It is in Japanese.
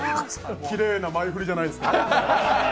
きれいな前振りじゃないですか。